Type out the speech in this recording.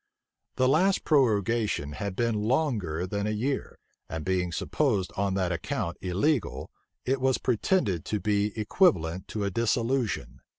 The last prorogation had been longer than a year; and being supposed on that account illegal, it was pretended to be equivalent to a dissolution.